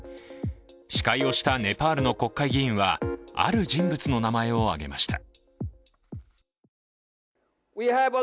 司会をしたネパールの国会議員はある人物の名前を挙げました。